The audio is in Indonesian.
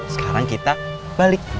sekarang kita balik